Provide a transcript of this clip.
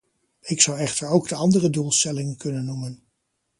Ik zou echter ook de andere doelstellingen kunnen noemen.